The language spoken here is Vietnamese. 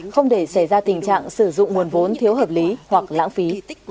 không để xảy ra tình trạng sử dụng nguồn vốn thiếu hợp lý hoặc lãng phí